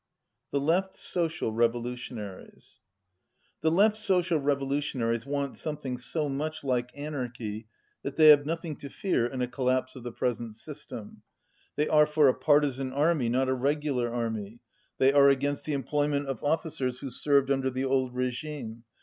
The Left Social Revolutionaries The Left Social Revolutionaries want something so much like anarchy that they have nothing to fear in a collapse of the present system. They are for a partisan army, not a regular army. They are against the employment of officers who served under the old regime.